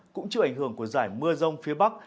cũng chịu ảnh hưởng của giải mưa rông phía bắc